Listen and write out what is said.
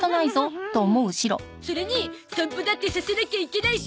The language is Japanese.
それに散歩だってさせなきゃいけないし。